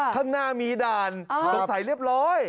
ข้างหน้ามีด่านสงสัยเรียบร้อย